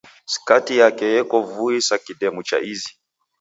Skati yake yeko vui sa kidemu cha izi